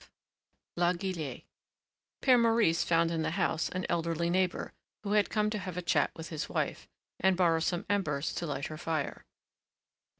V LA GUILLETTE Père Maurice found in the house an elderly neighbor, who had come to have a chat with his wife, and borrow some embers to light her fire.